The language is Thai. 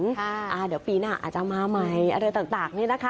เดี๋ยวปีหน้าอาจจะมาใหม่อะไรต่างนี่นะคะ